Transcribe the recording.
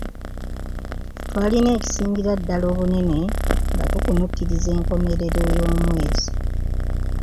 Twalina ekisingira ddala obunene nga tukunukkiriza enkomerero y'omwezi.